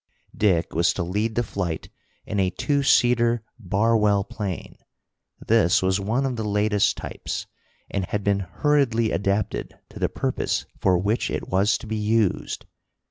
Dick was to lead the flight in a two seater Barwell plane. This was one of the latest types, and had been hurriedly adapted to the purpose for which it was to be used.